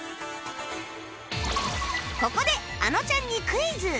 ここであのちゃんにクイズ！